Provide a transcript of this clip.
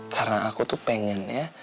karena aku tuh pengen ya